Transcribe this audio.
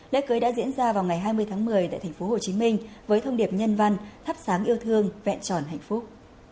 lễ cưới đã diễn ra vào ngày hai mươi tháng một mươi tại tp hcm với thông điệp nhân văn thắp sáng yêu thương vẹn tròn hạnh phúc